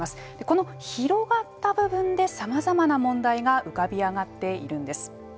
この広がった部分でさまざまな問題が浮かび上がっているんです。